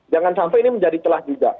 jangan sampai ini menjadi celah juga